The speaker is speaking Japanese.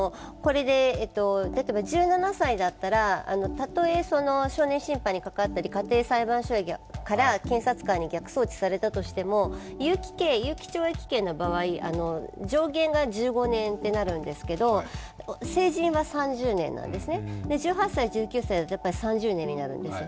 例えば１７歳だったら、たとえ少年審判にかかったり家庭裁判所から検察官に逆送致されたとしても、有期懲役刑の場合、上限が１５年となるんですが成人は３０年なんですね、１８歳、１９歳だと３０年になるんですよ。